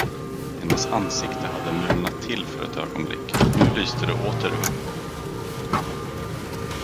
Hennes ansikte hade mulnat till för ett ögonblick, nu lyste det åter upp.